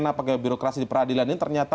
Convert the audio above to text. nah pegawai birokrasi di peradilan ini ternyata